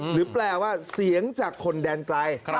หรือแปลว่าเสียงจากคนแดนไกล